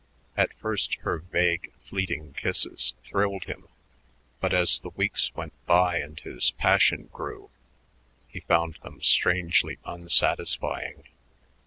At first her vague, fleeting kisses thrilled him, but as the weeks went by and his passion grew, he found them strangely unsatisfying.